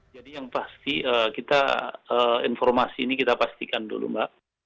jadi yang pasti kita informasi ini kita pastikan dulu mbak